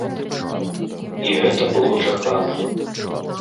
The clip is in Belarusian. І гэта было чакана.